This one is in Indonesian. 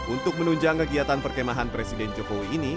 untuk menunjang kegiatan perkemahan presiden jokowi ini